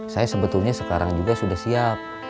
saya sebetulnya sekarang juga sudah siap